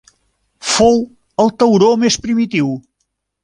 Fou el tauró més primitiu.